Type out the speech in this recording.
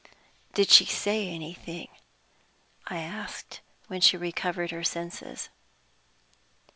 "Did she say anything," I asked, "when she recovered her senses?"